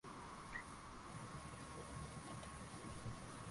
Je Kanali Mahfoudh alijua kilichotarajiwa kutokea